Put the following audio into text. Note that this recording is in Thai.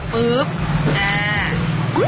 อ๋อปึ๊บอ่า